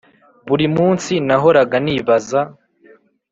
buri munsi nahoraga nibaza